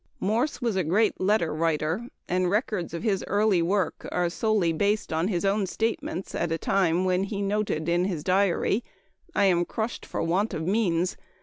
Morse was a great letter writer, and records of his early work are solely based on his own statements at a time when he noted in his diary: "I am crushed for want of means.